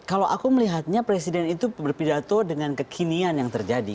kalau aku melihatnya presiden itu berpidato dengan kekinian yang terjadi